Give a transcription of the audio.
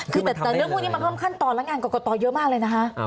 คือแต่เรื่องพวกนี้มันเพิ่มขั้นตอนและงานกรกตเยอะมากเลยนะคะ